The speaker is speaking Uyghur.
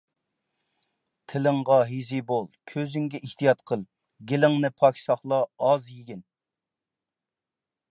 تىلىڭغا ھېزى بول، كۆزۈڭگە ئېھتىيات قىل. گېلىڭنى پاك ساقلا، ئاز يېگىن.